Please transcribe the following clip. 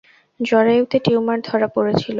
জরায়ুতে tumour ধরা পরেছিল।